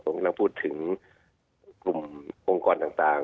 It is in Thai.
ผมกำลังพูดถึงกลุ่มองค์กรต่าง